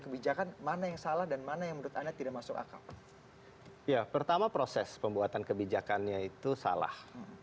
kebijakannya itu salah